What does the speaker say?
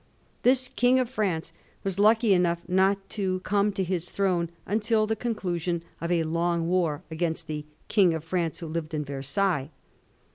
This ^ King of France ' was lucky enough not to come to his throne until the conclusion of a long war against the King of France who lived in Versailles.